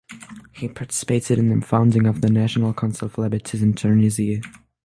He participated in the founding of the National Council for Liberties in Tunisia.